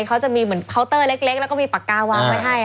เขาจะมีแบบเคานเตอร์เล็กและมีปากกาวางไว้ให้